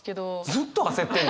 ずっと焦ってんの！？